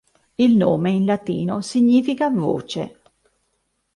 Il nome in latino significa "voce".